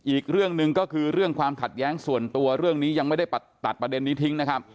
อีกเรื่องหนึ่งก็คือเรื่องความขัดแย้งส่วนตัวเรื่องนี้ยังไม่ได้ตัดประเด็นนี้ทิ้งนะครับ